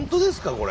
これ。